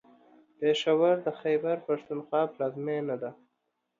پېښور د خیبر پښتونخوا پلازمېنه ده.